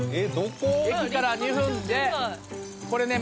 駅から２分でこれね